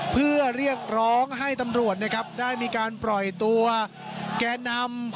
เพื่อเรียกร้องให้ตำรวจนะครับได้มีการปล่อยตัวแกนนำ